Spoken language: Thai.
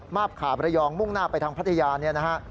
มาบขาบระยองมุ่งหน้าไปทางพัทยาเนี่ยนะฮะ